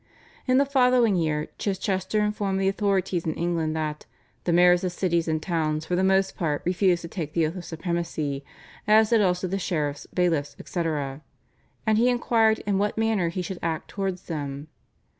In the following year Chichester informed the authorities in England that "the mayors of cities and towns for the most part refused to take the oath of supremacy, as did also the sheriffs, bailiffs, etc.," and he inquired in what manner he should act towards them.